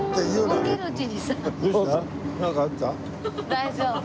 大丈夫。